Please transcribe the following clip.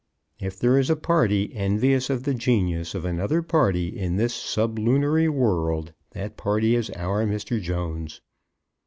If there is a party envious of the genius of another party in this sublunary world that party is our Mr. Jones.